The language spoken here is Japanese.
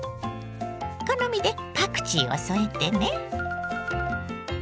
好みでパクチーを添えてね。